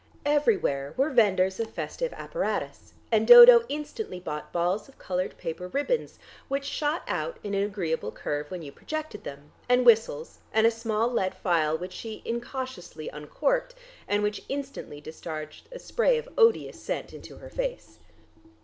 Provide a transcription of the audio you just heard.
Everywhere were vendors of festive apparatus, and Dodo instantly bought balls of coloured paper ribands which shot out in an agreeable curve when you projected them, and whistles, and a small lead phial which she incautiously uncorked, and which instantly discharged a spray of odious scent into her face.